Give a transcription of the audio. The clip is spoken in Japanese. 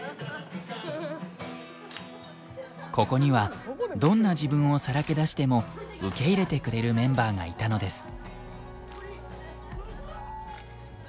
ここにはどんな自分をさらけ出しても受け入れてくれるメンバーがいたのです。